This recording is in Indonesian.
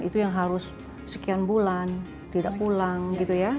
itu yang harus sekian bulan tidak pulang gitu ya